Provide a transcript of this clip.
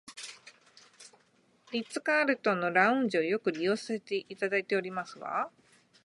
リッツカールトンのラウンジをよく利用させていただいておりますわ